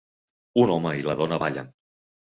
Un home i la dona ballen.